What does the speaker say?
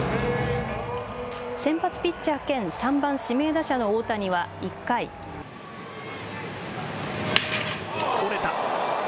先発ピッチャー兼３番指名打者の大谷は折れた。